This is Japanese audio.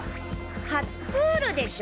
初プールでしょ？